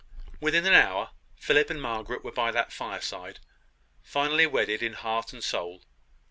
Within the hour, Philip and Margaret were by that fireside, finally wedded in heart and soul.